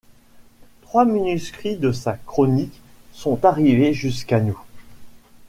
Trois manuscrits de sa chronique sont arrivés jusqu’à nous.